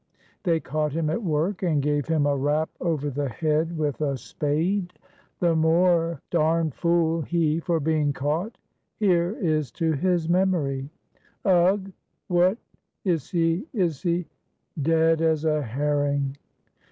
"They caught him at work and gave him a rap over the head with a spade. The more fool he for being caught. Here is to his memory." "Ugh! what, is he, is he " "Dead as a herring."